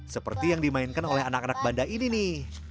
seperti yang dimainkan oleh anak anak banda ini nih